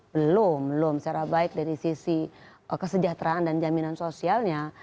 belum belum secara baik dari sisi kesejahteraan dan jaminan sosialnya